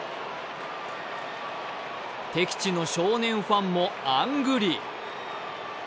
敵地の少年ファンもあんぐり。